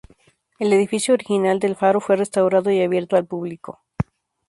El edificio original del faro fue restaurado y abierto al público.